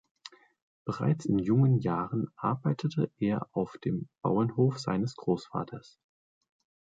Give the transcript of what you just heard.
Bereits in jungen Jahren arbeitete er auf dem Bauernhof seines Großvaters.